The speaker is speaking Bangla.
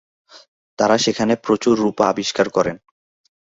তারা সেখানে প্রচুর রূপা আবিষ্কার করেন।